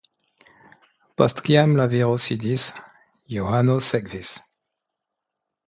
Post kiam la viro sidis, Johano sekvis.